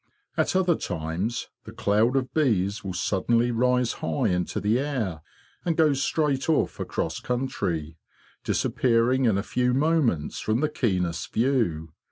At other times the cloud of bees will suddenly rise high into the air and go straight off across country, disappearing in a few moments from the keenest view.